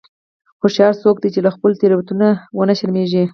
هوښیار څوک دی چې له خپلو تېروتنو نه و نه شرمیږي.